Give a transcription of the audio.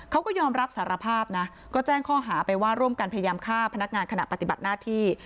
เขาก็ยอมรับสารภาพนะก็แจ้งข้อหาไปว่าร่วมกันพยายามฆ่าพนักงานขณะปฏิบัติหน้าที่